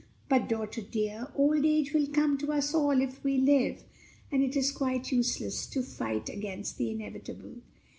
But, daughter dear, old age will come to us all, if we live, and it is quite useless to fight against the inevitable."